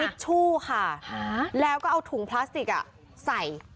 ชชู่ค่ะแล้วก็เอาถุงพลาสติกอ่ะใส่